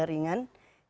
mereka memiliki jaringan